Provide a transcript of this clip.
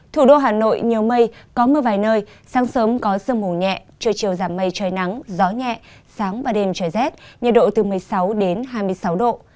thủ đô hà nội nhiều mây có mưa vài nơi sáng sớm có sương mù nhẹ trưa chiều giảm mây trời nắng gió nhẹ sáng và đêm trời rét nhiệt độ từ một mươi sáu đến hai mươi sáu độ